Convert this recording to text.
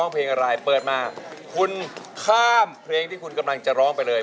เพลงอะไรเปิดมาคุณข้ามเพลงที่คุณกำลังจะร้องไปเลย